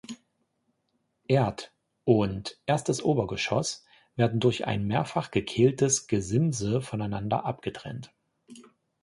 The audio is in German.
Erd- und erstes Obergeschoss werden durch ein mehrfach gekehltes Gesimse voneinander abgetrennt.